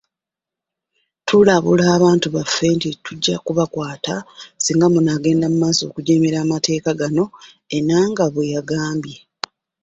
“Tulabula abantu baffe nti tujja kubakwata singa munaagenda mumaaso n'okujeemera amateeka gano,” Enanga bweyagambye.